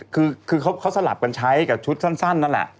คือเขาสลับกันใช้กับชุดสั้นนั่นแหละ